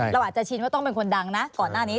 เราอาจจะชินว่าต้องเป็นคนดังนะก่อนหน้านี้